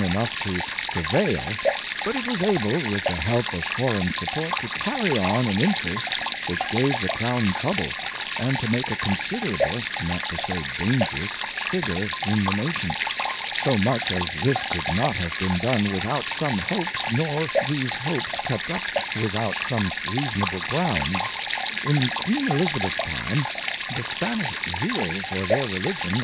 jeiiojjLglLto pre :, vail, but it was able, witli, the help of foreign support, to carry on an Interest which gave the Crown trouble, and to make a considerable (not to say dangerous) Figure in the Nation ; so much as this could not have been done without some hopes, nor these hopes kept up without some reasonable grounds : In iQueen Elizabeth's time, the Spanish Zeal for their Religion, a.